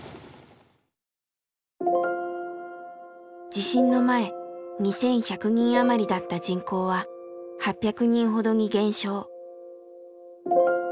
地震の前２，１００人余りだった人口は８００人ほどに減少。